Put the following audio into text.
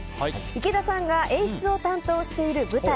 池田さんが演出を担当している舞台